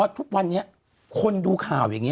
พี่สรุปว่าตัวละครอื่นมีส่วนเกี่ยวข้องหรือเปล่าวันนี้